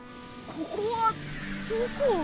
ここはどこ？